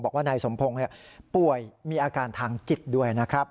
บอกว่านายสมพงศ์ป่วยมีอาการทางจิตด้วยนะครับ